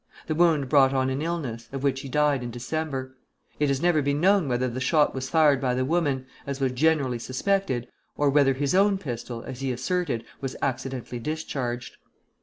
The wound brought on an illness, of which he died in December. It has never been known whether the shot was fired by the woman, as was generally suspected, or whether his own pistol, as he asserted, was accidentally discharged.